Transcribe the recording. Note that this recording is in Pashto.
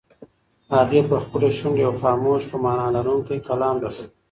هغې په خپلو شونډو یو خاموش خو مانا لرونکی کلام درلود.